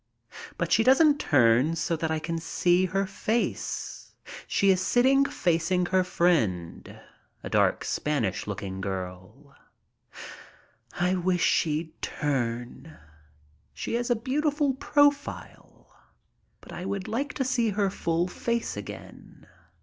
But she doesn't turn so that I can see her face. She is sitting facing her friend, a dark, Spanish looking girl. J wish she'd turn. She has a beautiful profile, but I I FLY FROM PARIS TO LONDON 125 would like to see her full face again.